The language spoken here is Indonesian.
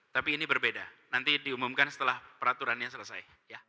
tapi ini berbeda nanti diumumkan setelah peraturannya selesai